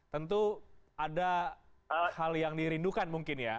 tentu ada hal yang dirindukan mungkin ya